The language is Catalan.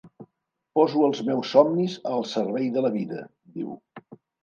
Poso els meus somnis al servei de la vida, diu.